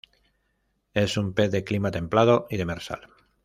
Es un pez de clima templado y demersal.